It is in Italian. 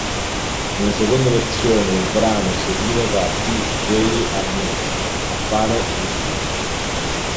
Una seconda versione del brano, eseguita da B. J. Arnau, appare nel film.